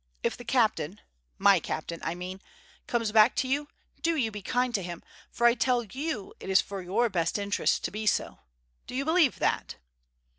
If the captain—my captain I mean—comes back to you, do you be kind to him, for I tell you it is for your best interests to be so. Do you believe that?"